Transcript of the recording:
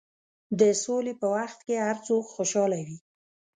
د سولې په وخت کې هر څوک خوشحاله وي.